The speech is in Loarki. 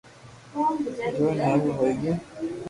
جوئين حآرون ھوئي گيو